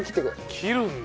切るんだ。